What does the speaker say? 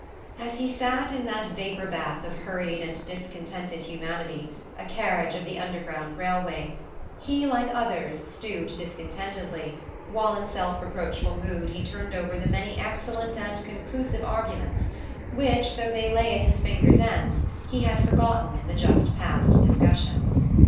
As he sat in that vapour bath of hurried and discontented humanity, a carriage of the underground railway, he, like others, stewed discontentedly, while in self reproachful mood he turned over the many excellent and conclusive arguments which, though they lay at his fingers' ends, he had forgotten in the just past discussion.